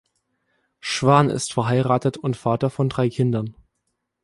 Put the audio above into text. Schwan ist verheiratet und Vater von drei Kindern.